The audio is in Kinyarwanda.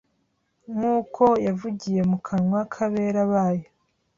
Nk uko yavugiye mu kanwa k abera bayo